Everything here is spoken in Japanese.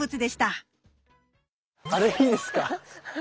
あれいいですか？